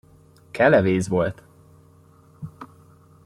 Kelevéz volt!